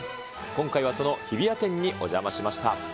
今回はその日比谷店にお邪魔しました。